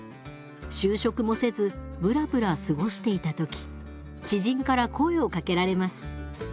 就職もせずブラブラ過ごしていた時知人から声をかけられます。